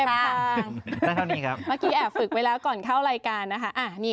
เมื่อกี้แอบฝึกไว้แล้วก่อนเข้ารายการนะคะ